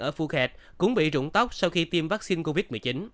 ở phu khe thái lan cũng bị rụng tóc sau khi tiêm vaccine covid một mươi chín